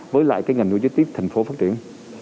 với lại cái ngành logistics thành phố phát triển